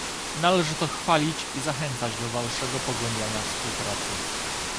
Należy to chwalić i zachęcać do dalszego pogłębiania współpracy